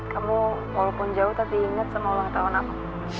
kamu walaupun jauh tapi inget sama ulang tahun aku